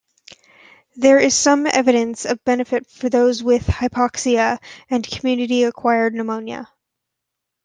There is some evidence of benefit for those with hypoxia and community acquired pneumonia.